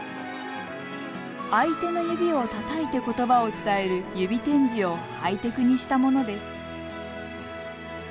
相手の指をたたいてことばを伝える指点字をハイテクにしたものです。